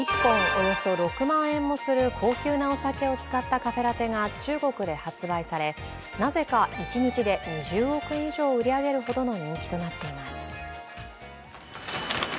およそ６万円もする高級なお酒を使ったカフェラテが中国で発売され、なぜか一日で２０億円以上売り上げるほどの人気となっています。